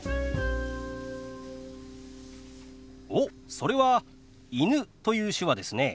おっそれは「犬」という手話ですね。